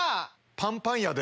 パンパンやで！